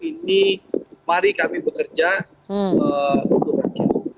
ini mari kami bekerja untuk itu